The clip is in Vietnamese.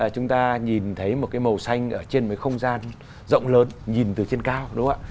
chúng ta nhìn thấy một cái màu xanh ở trên một không gian rộng lớn nhìn từ trên cao đúng không ạ